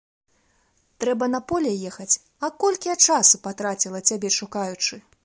Трэба на поле ехаць, а колькі я часу патраціла, цябе шукаючы.